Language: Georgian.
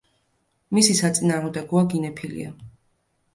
მისი საწინააღმდეგოა გინეფილია.